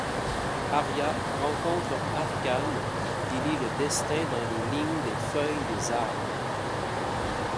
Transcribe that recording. Aria rencontre Arcane qui lit le destin dans les lignes des feuilles des arbres...